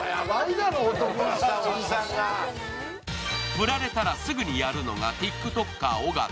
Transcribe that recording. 振られたらすぐにやるのがＴｉｋＴｏｋｅｒ・尾形。